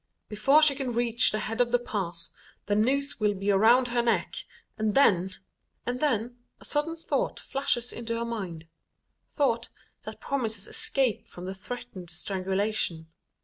Before she can reach the head of the pass, the noose will be around her neck, and then And then, a sudden thought flashes into her mind thought that promises escape from the threatened strangulation.